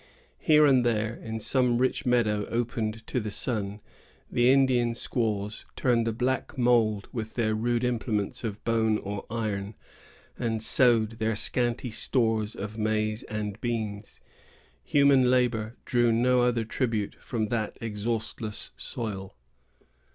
Here and there, in some rich meadow opened to the sun, the Indian squaws turned the black mould with their rude implements of bone or iron, and sowed their scanty stores of maize and beans. Human labor drew no other tribute from that exhaustless soil.